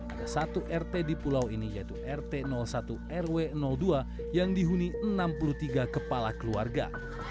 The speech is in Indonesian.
ada satu rt di pulau ini yaitu rt satu rw dua yang dihuni enam puluh tiga kepala keluarga